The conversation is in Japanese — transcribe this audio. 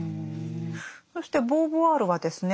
そしてボーヴォワールはですね